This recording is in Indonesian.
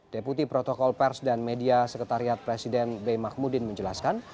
deputi protokol pers dan media sekretariat presiden b mahmudin menjelaskan